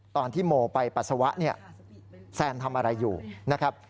ตอนที่โมไปปัสสาวะเนี่ยแซนทำอะไรอยู่นะครับ